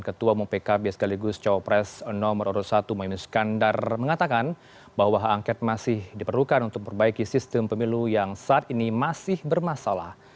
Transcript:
ketua pkb sekaligus cowok pres nomor satu muinus kandar mengatakan bahwa angket masih diperlukan untuk perbaiki sistem pemilu yang saat ini masih bermasalah